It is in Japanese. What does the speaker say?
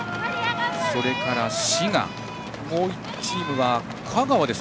それから滋賀、もう１チームは香川です。